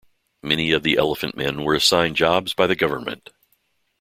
Many of the Elephantmen were assigned jobs by the government.